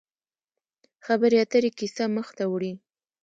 خبرې اترې کیسه مخ ته وړي.